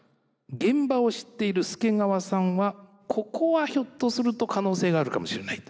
現場を知っている助川さんはここはひょっとすると可能性があるかもしれない。